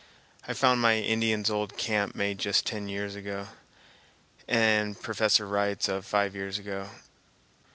I found my Indian's old camp made just ten years ago, and Professor Wright's of five years ago.